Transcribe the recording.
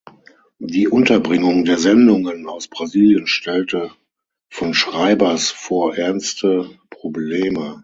Die Unterbringung der Sendungen aus Brasilien stellte von Schreibers vor ernste Probleme.